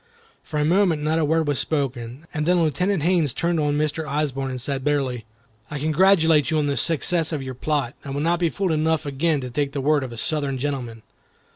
For a moment not a word was spoken, and then Lieutenant Haines turned on Mr. Osborne and said, bitterly, "I congratulate you on the success of your plot. I will not be fool enough again to take the word of a Southern gentleman."